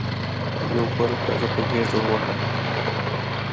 یو بل هغه په ګیډه وواهه.